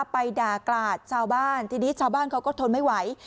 ไปด่ากราดชาวบ้านทีนี้ชาวบ้านเขาก็ทนไม่ไหว